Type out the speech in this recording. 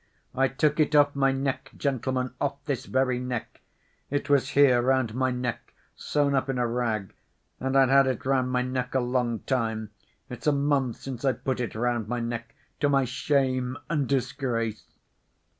"I took it off my neck, gentlemen, off this very neck ... it was here, round my neck, sewn up in a rag, and I'd had it round my neck a long time, it's a month since I put it round my neck ... to my shame and disgrace!"